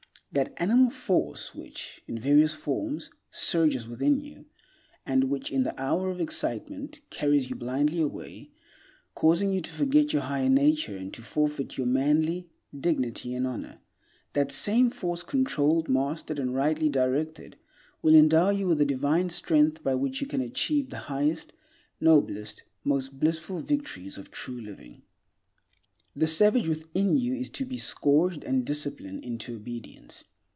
That animal force which, in various forms, surges within you, and which, in the hour of excitement, carries you blindly away, causing you to forget your higher nature and to forfeit your manly dignity and honor—that same force controlled, mastered, and rightly directed, will endow you with a divine strength by which you can achieve the highest, noblest, most blissful victories of true living. The savage within you is to be scourged and disciplined into obedience.